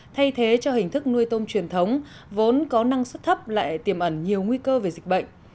thay thế cho hình thức nuôi tôm truyền thống vốn có năng suất thấp lại tiềm ẩn nhiều nguy cơ về dịch bệnh